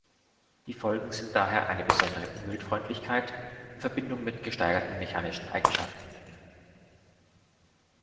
Die Folgen sind daher eine besondere Umweltfreundlichkeit in Verbindung mit gesteigerten mechanischen Eigenschaften.